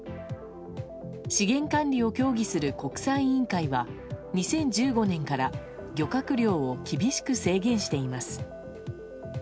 資源管理を協議する国際委員会は２０１５年から漁獲量を厳しく制限しています。